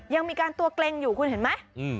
ยังมีการตัวเกร็งอยู่คุณเห็นไหม